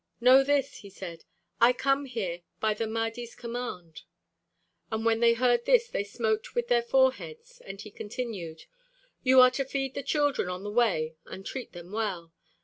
"Know this," he said. "I come here by the Mahdi's command." And when they heard this they smote with their foreheads and he continued: "You are to feed the children on the way and treat them well.